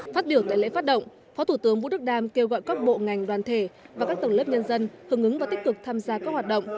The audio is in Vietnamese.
phát biểu tại lễ phát động phó thủ tướng vũ đức đam kêu gọi các bộ ngành đoàn thể và các tầng lớp nhân dân hưởng ứng và tích cực tham gia các hoạt động